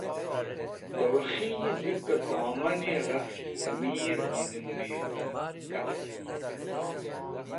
Dẽ Wakhi zikẽ domani ghafch amir gizẽn neyũdh (culture).